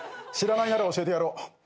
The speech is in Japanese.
知らないなら教えてやろう。